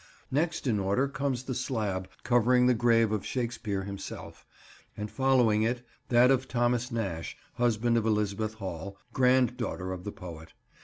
Next in order comes the slab covering the grave of Shakespeare himself, and following it that of Thomas Nash, husband of Elizabeth Hall, grand daughter of the poet.